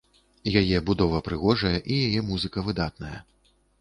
Яе будова прыгожая і яе музыка выдатная.